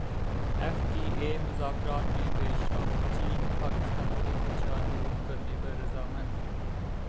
F T A مذاکرات میں پیش رفت چین پاکستان کے خدشات دور کرنے پر رضامند